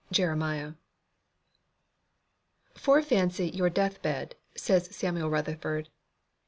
Jeremiah. "Fore fancy your deathbed," says Samuel Rutherford.